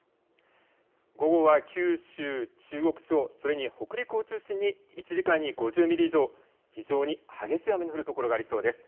午後は九州、中国地方、それに北陸を中心に１時間に５０ミリ以上、非常に激しい雨の降る所がありそうです。